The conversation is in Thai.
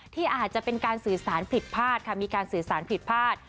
ที่อาจจะเป็นการสื่อสารผิดพลาดค่ะมีการสื่อสารผิดพลาด